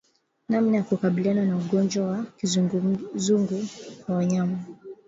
Namna ya kukabiliana na ugonjwa wa kizunguzungu kwa wanyama